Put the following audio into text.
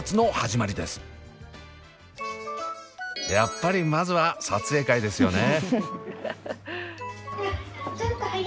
やっぱりまずは撮影会ですよね。